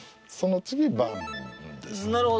その次盤ですね。